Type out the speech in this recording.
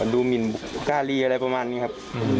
หมินก้าลีอะไรประมาณนี้ครับ